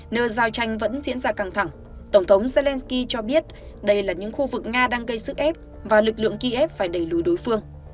nơi giao tranh vẫn diễn ra căng thẳng tổng thống zelensky cho biết đây là những khu vực nga đang gây sức ép và lực lượng kiev phải đẩy lùi đối phương